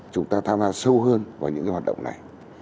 chúng ta tham gia sâu hơn vào những cái hoạt động này